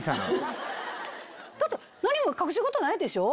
だって何も隠し事ないでしょ？